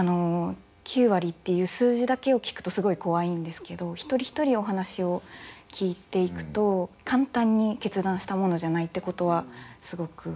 ９割っていう数字だけを聞くとすごい怖いんですけど一人一人お話を聞いていくと簡単に決断したものじゃないってことはすごく。